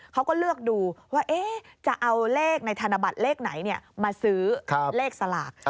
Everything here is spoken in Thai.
เขาก็เลือกดูว่าจะเอาเลขในธนบัตรเลขไหนมาซื้อเลขสลาก